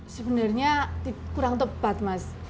sebenarnya kurang tepat mas